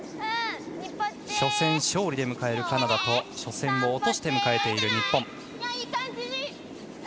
初戦勝利で迎えるカナダと初戦落として迎える日本。